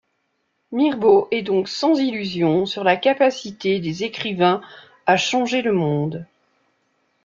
Mirbeau est donc sans illusions sur la capacité des écrivains à changer le monde.